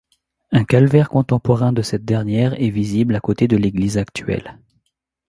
Un calvaire contemporain de cette dernière est visible à côté de l'église actuelle.